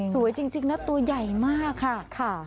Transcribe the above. สวยจริงนะตัวใหญ่มากค่ะ